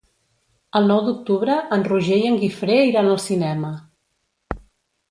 El nou d'octubre en Roger i en Guifré iran al cinema.